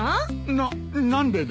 な何でだ？